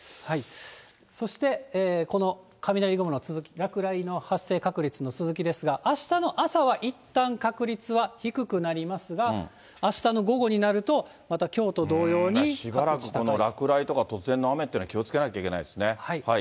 そして、この雷雲の続き、落雷の発生確率の続きですが、あしたの朝は、いったん確率は低くなりますが、あしたの午後になると、しばらくこの落雷とか突然の雨っていうのは、気をつけなきゃいけないですね。